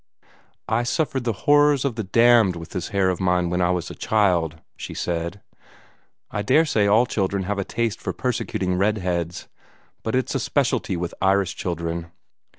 "I suffered the horrors of the damned with this hair of mine when I was a child," she said. "I daresay all children have a taste for persecuting red heads; but it's a specialty with Irish children.